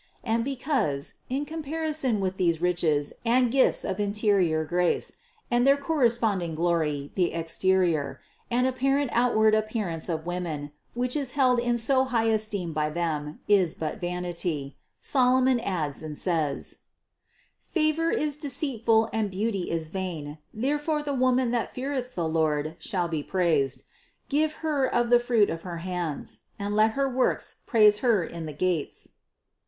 And because, in comparison with these riches and gifts of interior grace and their corresponding glory the exterior and apparent outward appearance of women, which is held in so high esteem by them, is but vanity, Solomon adds and says: 801. "Favour is deceitful, and beauty is vain; there fore the woman that feareth the Lord, shall be praised. Give her of the fruits of her hands; and let her works praise her in the gates."